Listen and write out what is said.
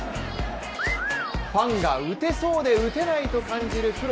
ファンが打てそうで打てないと感じるプロ